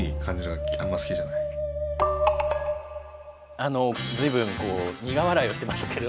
あの随分苦笑いをしてましたけど。